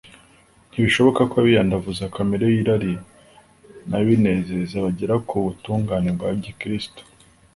ntibishoboka ko abiyandavuza kamere y'irari n'ibinezeza bagera ku butungane bwa gikristo